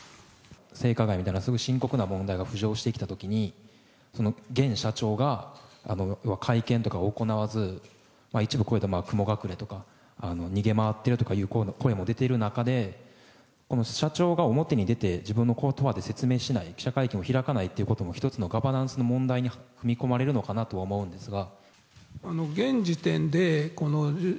性加害みたいなすごく深刻な問題が浮上してきたときに、現社長が会見とか行わず、一部こういった雲隠れとか、逃げ回ってるとかいう声も出ている中で、この社長が表に出て、自分のことばで説明しない、記者会見を開かないということも、一つのガバナンスの問題に踏み込まれるのかなと思うんですが。